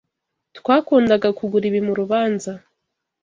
Twakundaga kugura ibi murubanza.